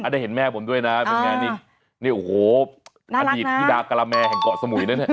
ได้เห็นแม่ผมด้วยนะเป็นไงนี่โอ้โหอดีตธิดากะละแมแห่งเกาะสมุยนะเนี่ย